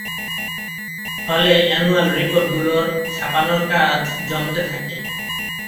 ফলে annual report গুলোর ছাপানোর কাজ জমতে থাকে।